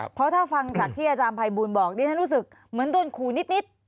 เพราะถ้าฟังจากที่อาจารย์ภัยบูลบอกดิฉันรู้สึกเหมือนโดนขู่นิด